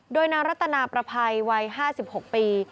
โดยนางรัตนาประภัยวัย๕๖ปี